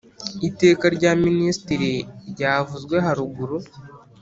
iteka rya minisitiri ryavuzwe haruguru